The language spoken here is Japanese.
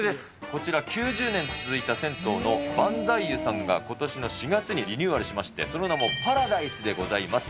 こちら、９０年続いた銭湯の漫才湯さんがことしの４月にリニューアルしまして、その名もパラダイスでございます。